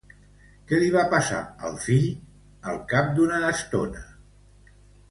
Què li va passar al fill al cap d'una estona?